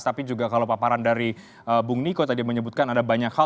tapi juga kalau paparan dari bung niko tadi menyebutkan ada banyak hal